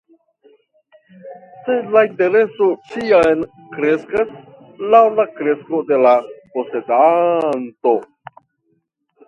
Sed la intereso ĉiam kreskas laŭ la kresko de la posedanto.